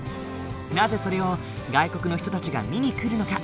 なぜそれを外国の人たちが見に来るのか？